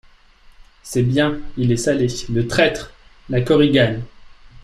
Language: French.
C'est bien, il est salé, le traître ! LA KORIGANE.